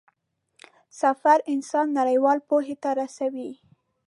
سفر انسان نړيوالې پوهې ته رسوي.